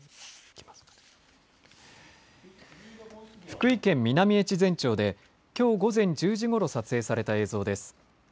福井県南越前町で、きょう午前１０時ごろ撮影された映像です。